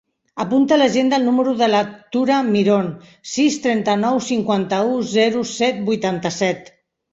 Apunta a l'agenda el número de la Tura Miron: sis, trenta-nou, cinquanta-u, zero, set, vuitanta-set.